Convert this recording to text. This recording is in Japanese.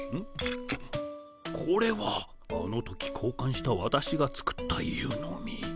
これはあの時こうかんしたわたしが作った湯飲み。